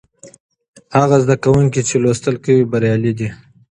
هغه زده کوونکي چې لوستل کوي بریالي دي.